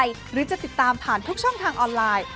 หรือจะติดตามผ่านทุกช่องทางออนไลน์